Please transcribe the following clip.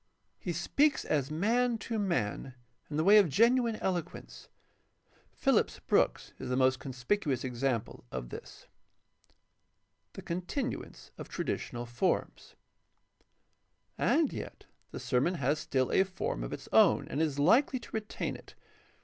He speaks as man to man in the way of genuine eloquence. Phillips Brooks is the most conspicuous example of this. The continuance of traditional forms. — And yet the sermon has still a form of its own and is likely to retain it.